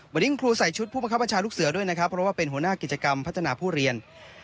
วันนี้คุณครูใส่ชุดผู้บังคับบัญชาลูกเสือด้วยนะครับเพราะว่าเป็นหัวหน้ากิจกรรมพัฒนาผู้เรียน